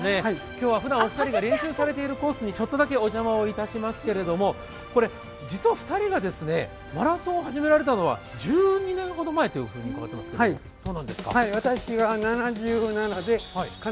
今日はふだんお二人が練習されているコースにちょっとだけお邪魔しますけれど実は２人がマラソンを始められたのは１２年ほど前と伺っていますが、そうなんですか？